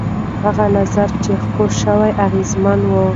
هغه نظر چې خپور شو اغېزمن و.